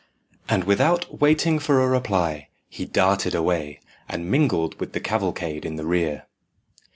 And without waiting for a reply, he darted away, and mingled with the cavalcade in the rear.